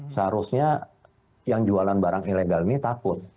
seharusnya yang jualan barang ilegal ini takut